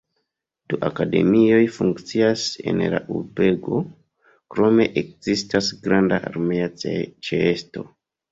Du akademioj funkcias en la urbego, krome ekzistas granda armea ĉeesto.